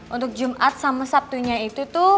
untuk jumat sama sabtunya itu tuh